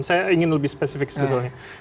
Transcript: saya ingin lebih spesifik sebetulnya